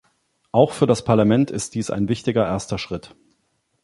Auch für das Parlament ist dies ein wichtiger erster Schritt.